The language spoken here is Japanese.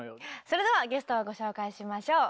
それではゲストをご紹介しましょう。